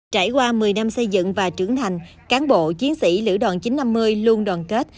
trải qua một mươi năm xây dựng và trưởng thành cán bộ chiến sĩ lữ đoàn chín trăm năm mươi luôn đoàn kết